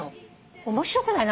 面白くない？